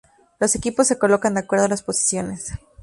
Los equipos se colocan de acuerdo a las posiciones.